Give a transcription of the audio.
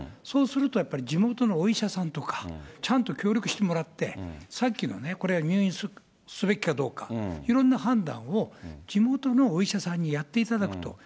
そうすると、やっぱり地元のお医者さんとか、ちゃんと協力してもらって、さっきの、これは入院すべきかどうか、いろんな判断を、地元のお医者さんにやっていただくと。